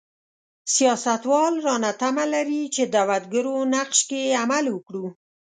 سیاستوال رانه تمه لري چې دعوتګرو نقش کې عمل وکړو.